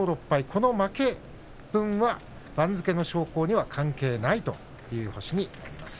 この負け分は番付の昇降には関係ないという星になります。